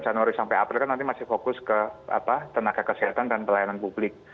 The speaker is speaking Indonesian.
januari sampai april kan nanti masih fokus ke tenaga kesehatan dan pelayanan publik